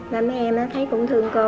nên mấy em thấy cũng thương cô